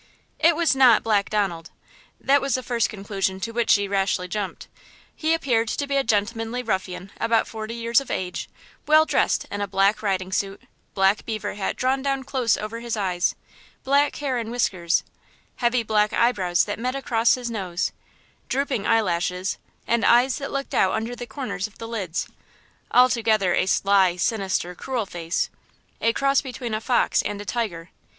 It was not Black Donald; that was the first conclusion to which she rashly jumped. He appeared to be a gentlemanly ruffian about forty years of age, well dressed in a black riding suit; black beaver hat drawn down close over his eyes; black hair and whiskers; heavy black eyebrows that met across his nose; drooping eyelashes, and eyes that looked out under the corners of the lids; altogether a sly, sinister, cruel face–a cross between a fox and a tiger.